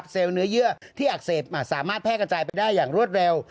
เนื้อเยื่อที่อักเสบสามารถแพร่กระจายไปได้อย่างรวดเร็ว